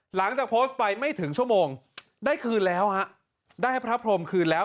หลังจากโพสต์ไปไม่ถึงชั่วโมงได้คืนแล้วฮะได้ให้พระพรมคืนแล้ว